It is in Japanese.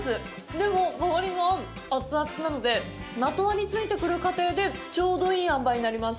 でも、周りの餡はアツアツなので、まとわりついてくる過程でちょうどいいあんばいになります。